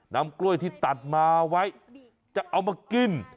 กล้วยที่ตัดมาไว้จะเอามากิน